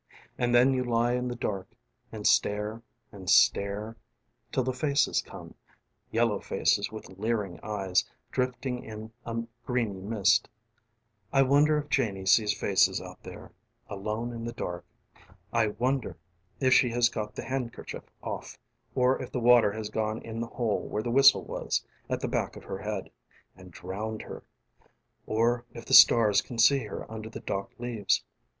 ┬Ā┬ĀAnd then you lie in the dark ┬Ā┬Āand stareŌĆ" and stareŌĆ" ┬Ā┬Ātill the faces comeŌĆ" ┬Ā┬Āyellow faces with leering eyes ┬Ā┬Ādrifting in a greeny mistŌĆ". ┬Ā┬ĀI wonder ┬Ā┬Āif Janie sees faces ┬Ā┬Āout thereŌĆ" alone in the darkŌĆ". ┬Ā┬ĀI wonder ┬Ā┬Āif she has got the handkerchief off ┬Ā┬Āor if the water has gone in the hole ┬Ā┬Āwhere the whistle was ┬Ā┬Āat the back of her head ┬Ā┬Āand drowned herŌĆ" ┬Ā┬Āor if the stars ┬Ā┬Ācan see her under the dock leaves?